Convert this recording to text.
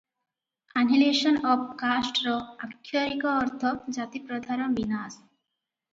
Annihilation of କାଷ୍ଟର ଆକ୍ଷରିକ ଅର୍ଥ ଜାତିପ୍ରଥାର ବିନାଶ ।